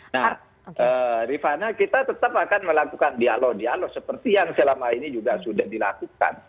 nah rifana kita tetap akan melakukan dialog dialog seperti yang selama ini juga sudah dilakukan